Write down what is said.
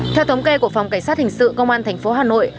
theo thống kê của phòng cảnh sát hình sự công an tp hà nội